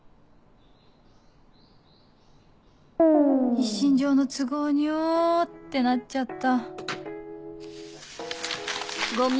「一身上の都合によ」ってなっちゃった